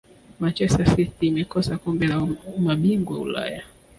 manchester city imekosa kombe la mabingwa ulaya